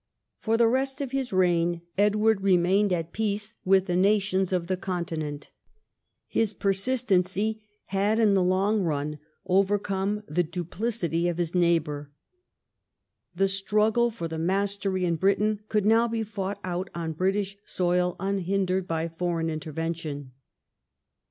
For the rest of his reign Edward remained at peace with the nations of the Continent. His persistency had in the long run overcome the duplicity of his neighbour. The struggle for the mastery in Britain could now be fought out on British soil unhindered by foreign intervention.